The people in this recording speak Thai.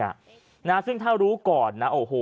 ชาวบ้านญาติโปรดแค้นไปดูภาพบรรยากาศขณะ